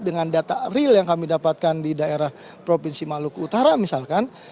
dengan data real yang kami dapatkan di daerah provinsi maluku utara misalkan